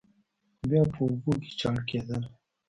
بیا په اوبو کې چاڼ کېدل.